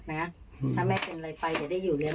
ถ้าแม่เป็นอะไรไปจะได้อยู่เรียบร้อย